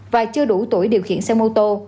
và chưa đủ tuổi điều khiển xe mô tô